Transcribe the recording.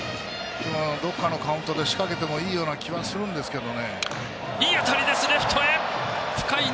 どこかのカウントで仕掛けてもいい気はするんですけど。